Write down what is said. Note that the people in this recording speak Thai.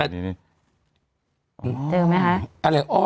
เจอไหมคะ